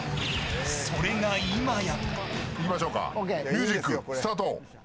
それが今や。